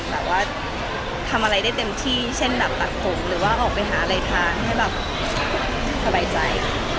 แต่ว่าทำอะไรได้เต็มที่เช่นตัดผมออกไปหาอะไรทานให้สบายใจ